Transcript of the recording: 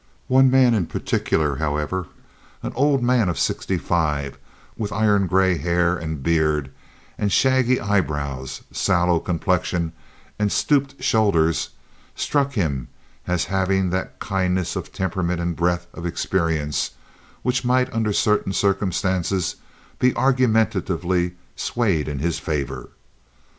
One man in particular, however, an old man of sixty five, with iron gray hair and beard, shaggy eyebrows, sallow complexion, and stooped shoulders, struck him as having that kindness of temperament and breadth of experience which might under certain circumstances be argumentatively swayed in his favor.